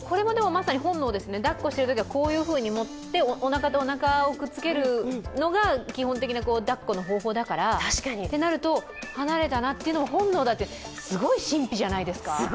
まさに本能ですね、抱っこしているときは、こういうふうに持っておなかとおなかをくっつけるのが基本的なだっこの方法だからとなると、離れたなというのは本能だって、すごい、神秘じゃないですか。